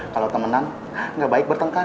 kalau temenan gak baik bertengkar